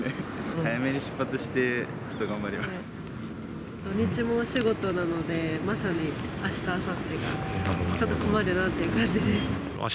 早めに出発して、ちょっと頑張り土日もお仕事なので、まさにあした、あさってがちょっと困るなって感じです。